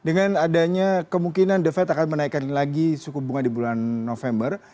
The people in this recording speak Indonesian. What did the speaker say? dengan adanya kemungkinan the fed akan menaikkan lagi suku bunga di bulan november